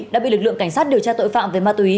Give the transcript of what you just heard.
đã bị lực lượng cảnh sát điều tra tội phạm về ma túy